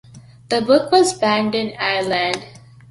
The book was banned in Ireland.